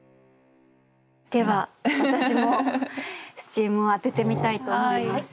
では私もスチームをあててみたいと思います。